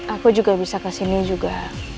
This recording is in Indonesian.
aku juga bisa kesini juga